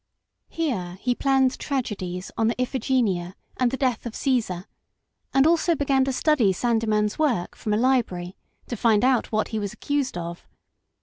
Here he planned tragedies on Iphigenia and the death of Caesar, and also began to study Sandeman's work from a library, to find out what he was accused of.